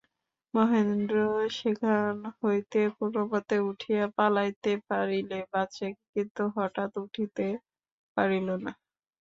মহেন্দ্র সেখান হইতে কোনোমতে উঠিয়া পালাইতে পারিলে বাঁচে, কিন্তু হঠাৎ উঠিতে পারিল না।